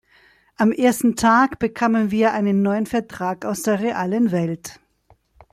Am ersten Tag bekamen wir einen neuen Vertrag aus der realen Welt.